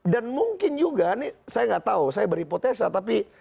dan mungkin juga ini saya gak tahu saya berhipotesa tapi